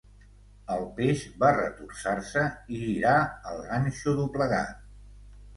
El peix va retorçar-se i girar el ganxo doblegat.